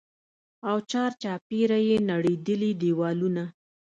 او چارچاپېره يې نړېدلي دېوالونه.